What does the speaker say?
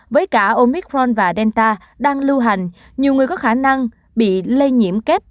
với cả omicron và delta đang lưu hành nhiều người có khả năng bị lây nhiễm kép